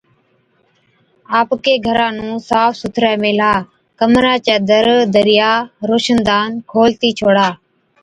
آپڪي گھرا نُون صاف سُٿرَي ميهلا، ڪمران چَي در، دريا روشندان کولتِي ڇوڙا